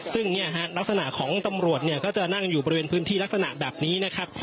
ซึ่งลักษณะของตำรวจจะนั่งอยู่บริเวณพื้นที่ลักษณะแบบนี้